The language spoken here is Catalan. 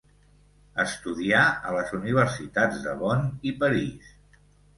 Estudià a les universitats de Bonn i París.